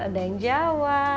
ada yang jawa